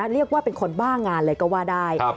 เรียกว่าเป็นคนบ้างานเลยก็ว่าได้